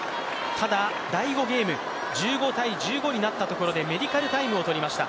ただ、第５ゲーム、１５−１５になったところでメディカルタイムを取りました。